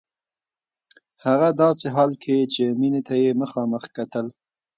هغه داسې حال کې چې مينې ته يې مخامخ کتل.